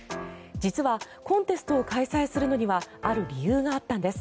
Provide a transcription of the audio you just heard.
実はコンテストを開催するのにはある理由があったんです。